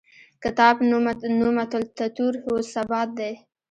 کتاب نوم التطور و الثبات دی.